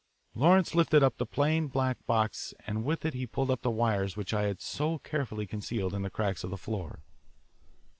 Lawrence lifted up the plain black box and with it he pulled up the wires which I had so carefully concealed in the cracks of the floor.